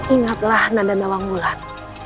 ingatlah nanda nawang bulat